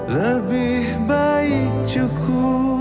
lebih baik cukup